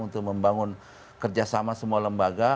untuk membangun kerjasama semua lembaga